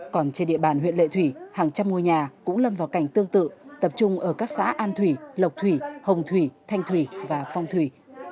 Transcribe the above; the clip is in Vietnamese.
còn trên địa bàn huyện lệ thủy hàng trăm ngôi nhà cũng lâm vào cảnh tương tự tập trung ở các xã an thủy lộc thủy hồng thủy thanh thủy và phong thủy